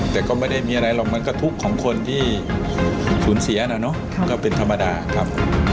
แต่ก็ไม่ได้มีอะไรหรอกมันก็ทุกข์ของคนที่สูญเสียนะเนาะก็เป็นธรรมดาครับ